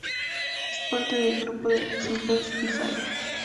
Es parte del grupo de las islas Bisayas.